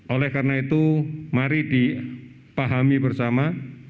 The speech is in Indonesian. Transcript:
oleh karena itu mari dipahami bersama